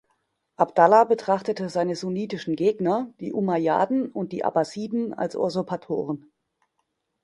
Abdallah betrachtete seine sunnitischen Gegner, die Umayyaden und die Abbasiden, als Usurpatoren.